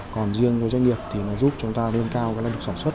còn riêng với doanh nghiệp giúp chúng ta lên cao lăng lực sản xuất